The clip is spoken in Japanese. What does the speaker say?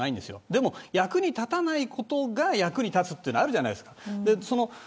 でも、役に立たないことが役に立つってあるじゃないですか。